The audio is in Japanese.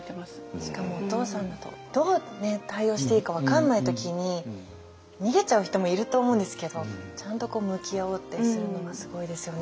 しかもお父さんだとどう対応していいか分かんない時に逃げちゃう人もいると思うんですけどちゃんと向き合おうってするのはすごいですよね。